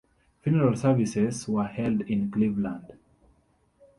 Funeral services were held in Cleveland.